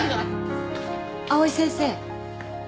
藍井先生。